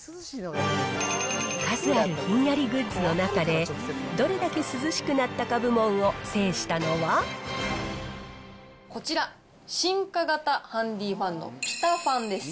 数あるひんやりグッズの中で、どれだけ涼しくなったか部門をこちら、進化型ハンディファンのピタファンです。